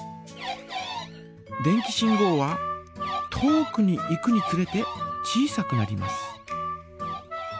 電気信号は遠くに行くにつれて小さくなります。